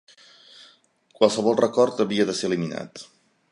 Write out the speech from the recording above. Qualsevol record havia de ser eliminat.